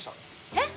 えっ！？